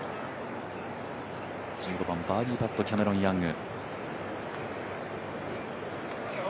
１５番、バーディーパットキャメロン・ヤング。